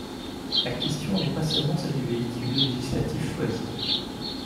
La question n’est pas seulement celle du véhicule législatif choisi.